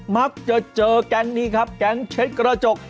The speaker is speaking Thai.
นัดเจอแก่งนี้แก๊งเช็ดกระจก